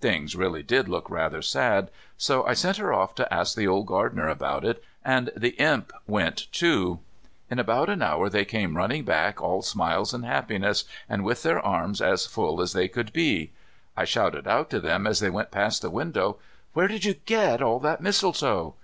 Things really did look rather sad, so I sent her off to ask the old gardener about it, and the Imp went too. In about an hour they came running back all smiles and happiness, and with their arms as full as they could be. I shouted out to them as they went past the window, "Where did you get all that mistletoe?"